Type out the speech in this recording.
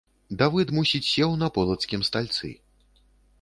Давыд мусіць сеў на полацкім стальцы.